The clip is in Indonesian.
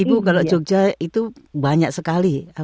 ibu kalau jogja itu banyak sekali